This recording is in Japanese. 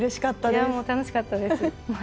いやあもう楽しかったです。